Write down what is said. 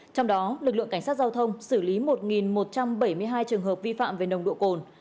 trong đó lực lượng cảnh sát giao thông xử lý một một trăm bảy mươi hai trường hợp vi phạm về nồng độ cồn